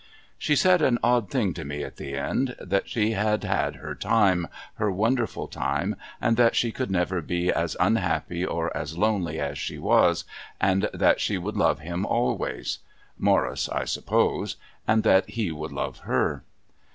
She said an odd thing to me at the end that she had had her time, her wonderful time, and that she could never be as unhappy or as lonely as she was, and that she would love him always (Morris, I suppose), and that he would love her.